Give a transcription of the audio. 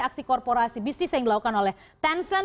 aksi korporasi bisnis yang dilakukan oleh tencent